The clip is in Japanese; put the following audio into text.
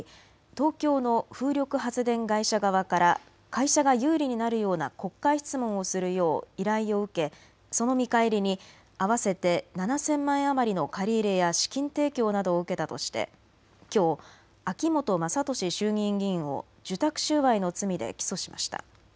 東京の風力発電会社側から会社が有利になるような国会質問をするよう依頼を受けその見返りに合わせて７０００万円余りの借り入れや資金提供などを受けたとしてきょうは秋本真利衆議院議員を受託収賄の罪で起訴しました。